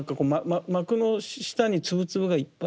膜の下にツブツブがいっぱい。